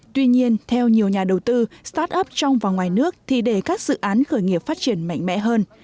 tuy nhiên theo nhiều nhà đầu tư start up trong và ngoài nước thì để các dự án khởi nghiệp phát triển mạnh mẽ hơn